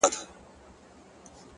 مثبت چلند زړونه نږدې کوي!